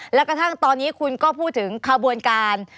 และกระทั่งตอนนี้คุณก็พูดถึงขบวนการ